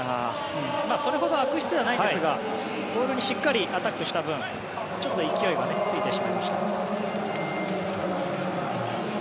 それほど悪質ではないんですがボールにしっかりアタックした分ちょっと勢いがついてしまいましたね。